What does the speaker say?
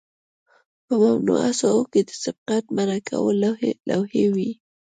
په ممنوعه ساحو کې د سبقت منع کولو لوحې وي